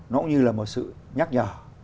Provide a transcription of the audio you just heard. nó cũng như là một sự nhắc nhở